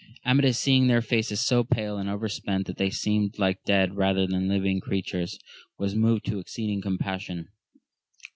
Amadis seeing their faces so pale and overspent, that they seemed like dead rather than living crea tures, was moved to exceeding compassion.